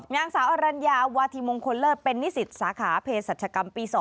นางสาวอรัญญาวาธิมงคลเลิศเป็นนิสิตสาขาเพศรัชกรรมปี๒